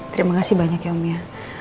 terima kasih banyak ya om ya